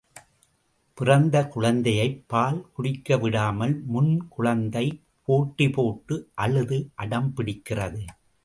பிறந்த குழந்தையைப் பால் குடிக்கவிடாமல் முன் குழந்தை போட்டி போட்டு அழுது அடம் பிடிக்கிறது.